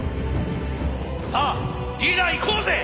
さあリーダーいこうぜ！